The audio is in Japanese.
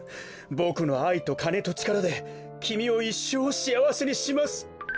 ボクのあいとかねとちからできみをいっしょうしあわせにします！